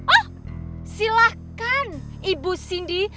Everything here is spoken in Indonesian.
oh silahkan ibu cindy